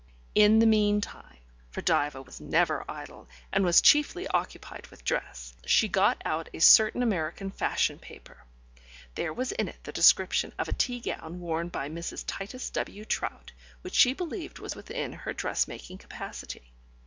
In the meantime, for Diva was never idle, and was chiefly occupied with dress, she got out a certain American fashion paper. There was in it the description of a tea gown worn by Mrs. Titus W. Trout which she believed was within her dressmaking capacity.